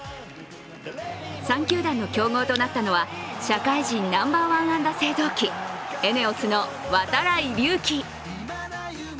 ３球団の強豪となったのは社会人ナンバーワン安打製造機、ＥＮＥＯＳの度会隆輝。